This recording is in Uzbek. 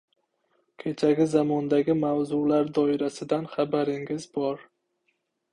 Kechagi zamondagi mavzular doirasidan xabaringiz bor;